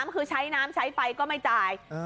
คือใช้น้ำใช้ไฟก็ไม่จ่าย